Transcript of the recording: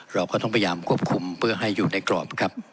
เราก็ต้องพยายามควบคุมเพื่อให้อยู่ในกรอบครับ